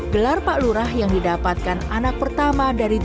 gelar pak lurah yang didapatkan anak pertama dari